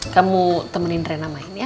kamu temenin rena main ya